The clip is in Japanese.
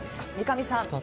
三上さん